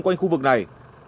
quanh khu vực này